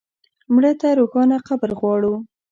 مړه ته روښانه قبر غواړو